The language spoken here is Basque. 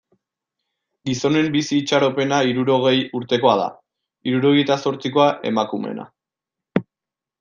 Gizonen bizi itxaropena hirurogei urtekoa da, hirurogeita zortzikoa emakumeena.